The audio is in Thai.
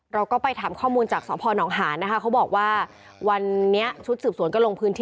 เราก็ไปถามข้อมูลจากสภาพนองหาว่าวันนี้ชุดสืบสวนก็ลงพื้นที่